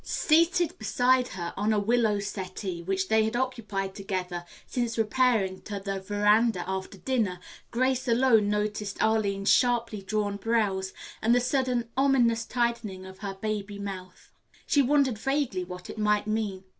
Seated beside her on a willow settee, which they had occupied together since repairing to the veranda after dinner, Grace alone noticed Arline's sharply drawn brows and the sudden ominous tightening of her baby mouth. She wondered vaguely what it might mean.